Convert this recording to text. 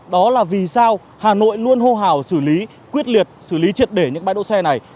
đó là vì sao hà nội luôn hô hào xử lý quyết liệt xử lý triệt để những bãi đỗ xe này